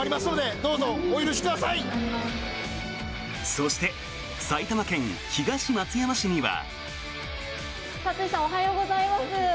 そして埼玉県東松山市には。